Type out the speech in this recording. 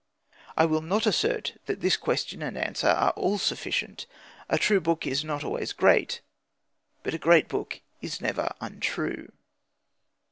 I will not assert that this question and answer are all sufficient. A true book is not always great. But a great book is never untrue.